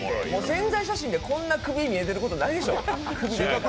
宣材写真が、こんな首出てることないでしょ。